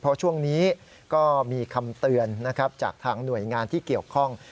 เพราะช่วงนี้ก็มีคำเตือนนะครับจากทางหน่วยงานที่เกี่ยวข้อง